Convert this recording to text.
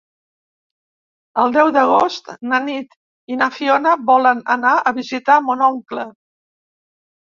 El deu d'agost na Nit i na Fiona volen anar a visitar mon oncle.